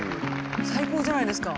最高じゃないですか。